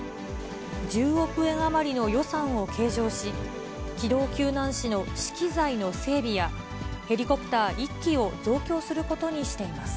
１０億円余りの予算を計上し、機動救難士の資機材の整備や、ヘリコプター１機を増強することにしています。